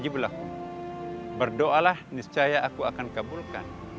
berdoalah niscaya aku akan kabulkan